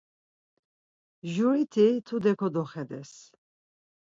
Juriti tude kodoxedes.